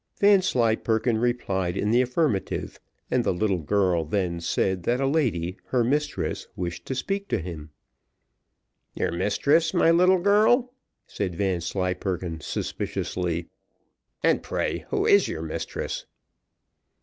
Vanslyperken replied in the affirmative, and the little girl then said that a lady, her mistress, wished to speak to him. "Your mistress, my little girl?" said Vanslyperken, suspiciously; "and pray who is your mistress?"